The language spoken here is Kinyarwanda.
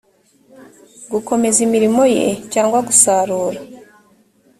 gukomeza imirimo ye cyangwa gusarura